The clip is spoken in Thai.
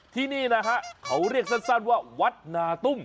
ที่นี่นะฮะเขาเรียกสั้นว่าวัดนาตุ้ม